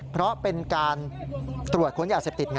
เพราะเป็นการตรวจค้นยาเสพติดไง